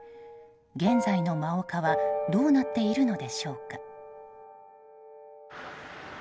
現在の真岡はどうなっているのでしょうか。